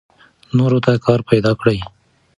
نورو ته کار پیدا کړئ.